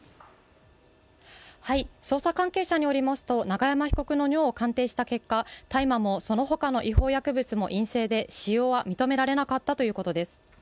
捜査関係者によりますと永山被告の尿を鑑定した結果大麻もそのほかの違法薬物も陰性で、使用は認められなかったということです。